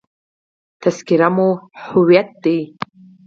تذکره مو هویت دی.